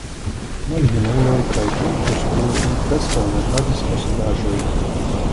Maljunuloj kaj plenkreskuloj preskaŭ ne havis posedaĵojn.